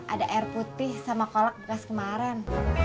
ada air putih sama kolak bekas kemarin